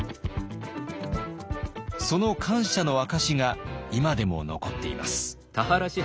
その感謝の証しが今でも残っています。